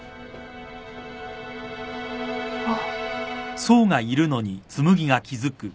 あっ。